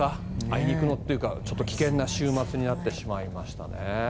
あいにくのというかちょっと危険な週末になってしまいましたね。